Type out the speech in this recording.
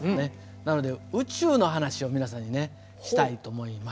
なので宇宙の話を皆さんにしたいと思います。